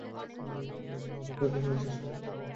Balloon যেন ফেটে না যায়, খেলো এবার সোনা।